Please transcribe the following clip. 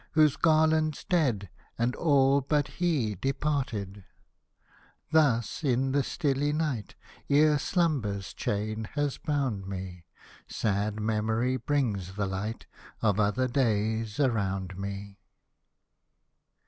Whose garlands dead, And all but he departed ! Thus, in the stilly night, Ere Slumber's chain has bound me. Sad Memory brings the light Of other days around me.